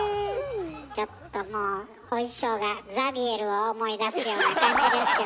ちょっともうお衣装がザビエルを思い出すような感じですけども。